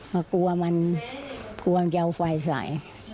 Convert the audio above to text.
เพราะกลัวมันจะเอาไฟใส